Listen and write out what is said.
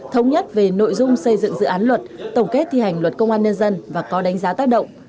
thống nhất về nội dung xây dựng dự án luật tổng kết thi hành luật công an nhân dân và có đánh giá tác động